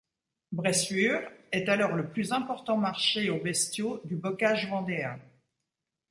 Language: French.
Bressuire est alors le plus important marché aux bestiaux du bocage vendéen.